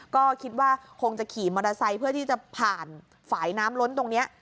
ก็คิดว่าคงจะขี่มอเตอร์ไซค์เพื่อที่จะผ่านฝ่ายน้ำล้นตรงนี้